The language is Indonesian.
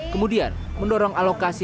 kemudian mendorong alokasi